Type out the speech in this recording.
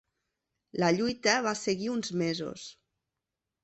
La lluita va seguir uns mesos.